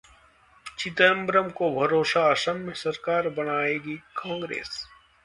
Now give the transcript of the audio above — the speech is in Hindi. चिदंबरम को भरोसा, असम में सरकार बनायेगी कांग्रेस